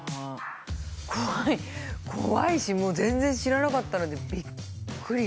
怖いしもう全然知らなかったのでびっくり。